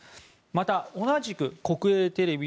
また同じく国営テレビ